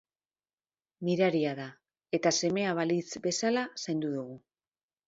Miraria da eta semea balitz bezala zaindu dugu.